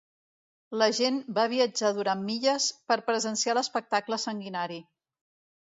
La gent va viatjar durant milles per presenciar l'espectacle sanguinari.